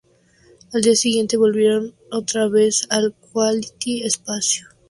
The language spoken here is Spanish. Al día siguiente volvieron otra vez al Quality Espacio.